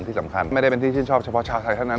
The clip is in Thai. ที่สำคัญไม่ได้เป็นที่ชื่นชอบเฉพาะชาวไทยเท่านั้น